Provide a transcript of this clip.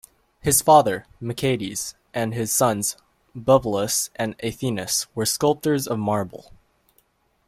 His father, Micciades, and his sons, Bupalus and Athenis, were sculptors of marble.